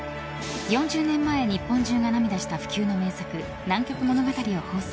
４０年前、日本中が涙した不朽の名作「南極物語」を放送。